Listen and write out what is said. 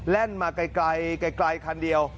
แล่นมาไกลคันเดียว